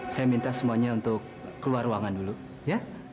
saya minta semuanya untuk keluar ruangan dulu ya